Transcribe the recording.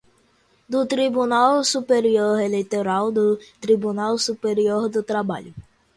do Tribunal Superior Eleitoral, do Tribunal Superior do Trabalho